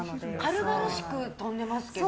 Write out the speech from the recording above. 軽々しく跳んでますけど。